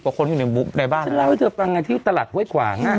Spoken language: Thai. คนที่อยู่ในบุ๊กในบ้านฉันเล่าให้เธอฟังไงที่ตลาดห้วยขวาง